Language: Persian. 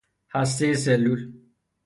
هستهُ سلول